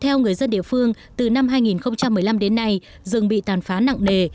theo người dân địa phương từ năm hai nghìn một mươi năm đến nay rừng bị tàn phá nặng nề